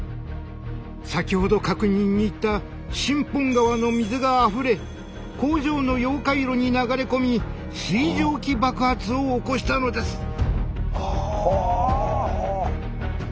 先ほど確認に行った新本川の水があふれ工場の溶解炉に流れ込み水蒸気爆発を起こしたのです。